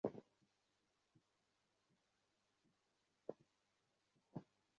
তিনি ক্ষমতায় আসীন ছিলেন।